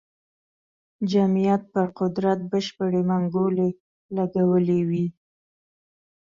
جمعیت پر قدرت بشپړې منګولې لګولې وې.